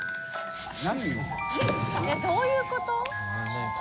拭どういうこと？